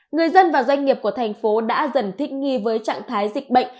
người dân và doanh nghiệp của thành phố đã dần thích nghi với trạng thái dịch bệnh